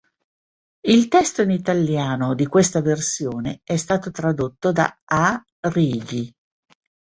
Il testo in italiano di questa versione è stata tradotto da A. Righi.